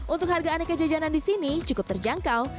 untuk harga aneka jajanan di sini cukup terjangkau